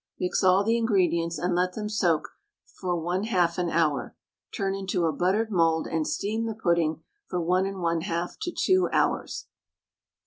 Mix all the ingredients, and let them soak for 1/2 an hour. Turn into a buttered mould and steam the pudding for 1 1/2 to 2 hours.